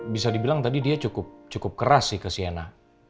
bisa dibilang tadi dia cukup keras sih ke siana